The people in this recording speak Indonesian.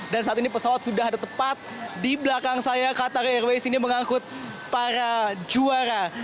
dan saat ini pesawat sudah ada tepat di belakang saya qatar airways ini mengangkut para juara